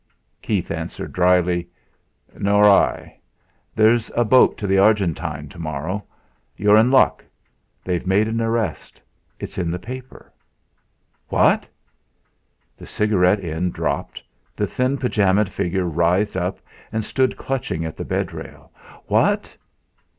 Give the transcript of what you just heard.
Keith answered drily "Nor I. There's a boat to the Argentine tomorrow. You're in luck; they've made an arrest. It's in the paper." "What?" The cigarette end dropped, the thin pyjama'd figure writhed up and stood clutching at the bedrail. "What?"